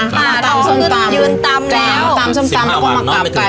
ครั้งวันนะผมสะพาย